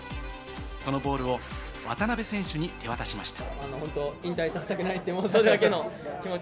そのボールを渡邊選手に手渡しました。